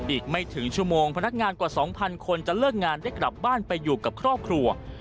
อีกไม่ถึงชั่วโมงพนักงานกว่า๒๐๐คนจะเลิกงานได้กลับบ้านไปอยู่กับครอบครัว